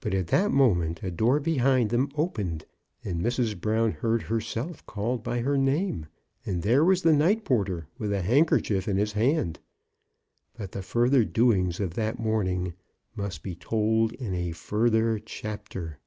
But at that moment a door behind them opened, and Mrs. Brown heard herself called by her name. And there was the night porter — with a handkerchief in his hand. But the further doings of that morning must be told in a further chapter.